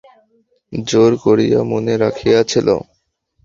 জোর করিয়া মনে রাখিয়াছিল।